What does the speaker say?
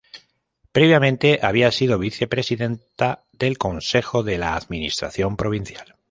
Previamente había sido vicepresidenta del Consejo de la Administración Provincial.